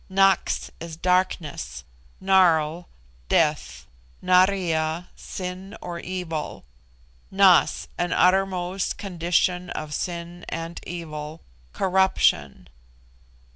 Nax is darkness; Narl, death; Naria, sin or evil. Nas an uttermost condition of sin and evil corruption.